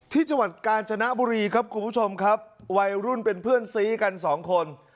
ที่จังหวัดกาญจนบุรีครับคุณผู้ชมครับวัยรุ่นเป็นเพื่อนซีกันสองคน